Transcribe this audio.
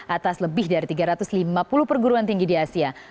atas lebih dari tiga ratus lima puluh perguruan tinggi di asia